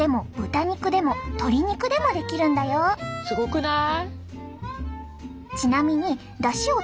すごくない？